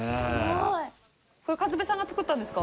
これかずぺさんが作ったんですか？